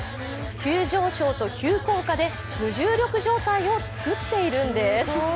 急上昇と急降下で無重力状態を作っているんです。